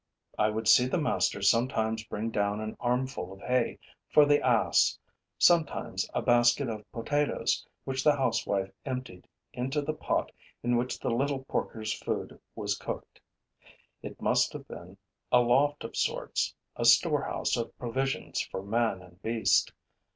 I would see the master sometimes bring down an armful of hay for the ass, sometimes a basket of potatoes which the housewife emptied into the pot in which the little porkers' food was cooked. It must have been a loft of sorts, a storehouse of provisions for man and beast.